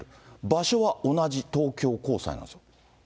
場所は同じ、東京高裁なんですよ。